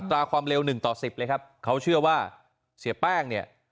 อัตราความเร็ว๑ต่อ๑๐เลยครับเค้าเชื่อว่าเสียแป้งเนี่ย